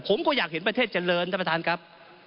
ผมก็อยากเห็นประเทศเจริญท่านประธานครับ